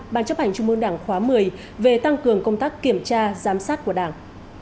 ban chấp hành trung mương đảng khóa một mươi về tăng cường công tác kiểm tra giám sát của đảng